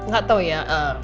gak tahu ya